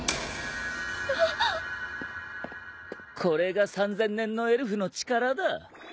これが３，０００年のエルフの力だ。